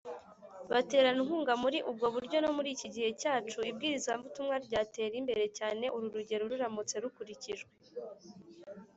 baterana inkunga muri ubwo buryo no muri iki gihe cyacu, ibwirizabutumwa ryatera imbere cyane uru rugero ruramutse rukurikijwe